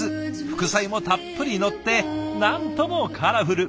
副菜もたっぷりのってなんともカラフル。